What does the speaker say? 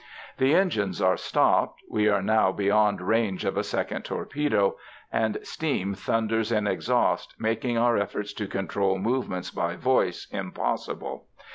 The engines are stopped we are now beyond range of a second torpedo and steam thunders in exhaust, making our efforts to control movements by voice impossible.